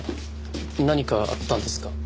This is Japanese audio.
何かあったんですか？